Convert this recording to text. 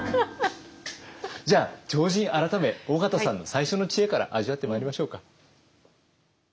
じゃあ超人改め緒方さんの最初の知恵から味わってまいりましょうか。